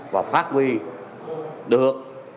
và phát huy được